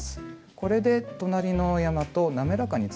これで隣の山と滑らかにつなぐことができます。